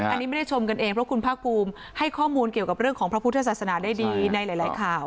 อันนี้ไม่ได้ชมกันเองเพราะคุณภาคภูมิให้ข้อมูลเกี่ยวกับเรื่องของพระพุทธศาสนาได้ดีในหลายข่าว